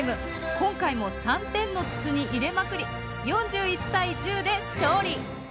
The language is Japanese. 今回も３点の筒に入れまくり４１対１０で勝利。